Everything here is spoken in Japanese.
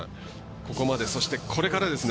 ここから、そしてこれからですね